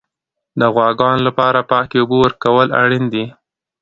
د غواګانو لپاره پاکې اوبه ورکول اړین دي.